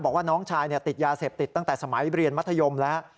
บอกว่าน้องชายติดยาเสพติดตั้งแต่สมัยเรียนมัธยมแล้ว